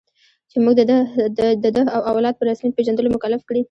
چې موږ د ده او اولاد په رسمیت پېژندلو مکلف کړي.